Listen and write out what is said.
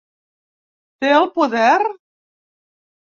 Té el poder?